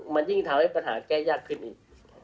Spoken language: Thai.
มันยิ่งทำให้ปัญหาแก้ยากขึ้นอีก